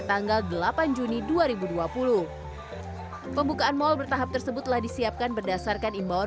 tanggal delapan juni dua ribu dua puluh pembukaan mal bertahap tersebut telah disiapkan berdasarkan imbauan